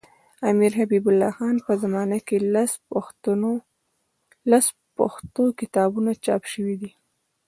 د امیرحبیب الله خان په زمانه کي لس پښتو کتابونه چاپ سوي دي.